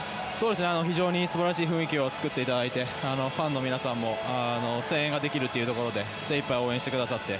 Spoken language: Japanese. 非常に素晴らしい雰囲気を作っていただいてファンの皆さんも声援ができるというところで精いっぱい応援してくださって。